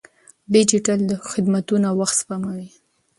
ډیجیټل خدمتونه وخت سپموي.